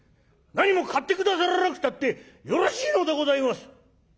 なにも買って下さらなくったってよろしいのでございます！」。